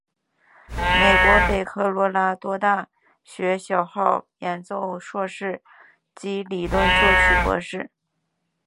美国北科罗拉多大学小号演奏硕士及理论作曲博士。